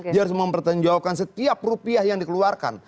dia harus mempertanggungjawabkan setiap rupiah yang dikeluarkan